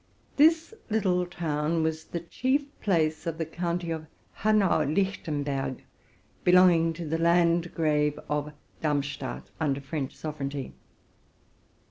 This little town was the chief place of the county of Hanau Lichtenberg, belonging to the Landgrave of Darm stadt, under French sovereignty.